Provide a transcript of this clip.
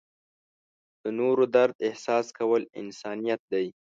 د نورو درد احساس کول انسانیت دی.